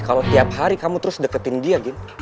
kalo tiap hari kamu terus deketin dia gin